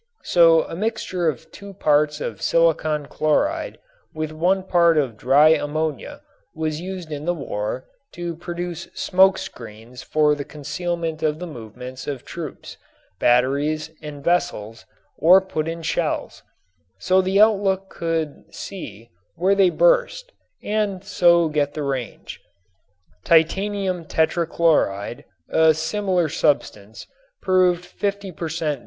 So a mixture of two parts of silicon chloride with one part of dry ammonia was used in the war to produce smoke screens for the concealment of the movements of troops, batteries and vessels or put in shells so the outlook could see where they burst and so get the range. Titanium tetra chloride, a similar substance, proved 50 per cent.